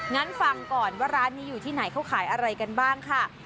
งั้นฟังก่อนว่าร้านนี้อยู่ที่ไหนเขาขายอะไรกันบ้างค่ะ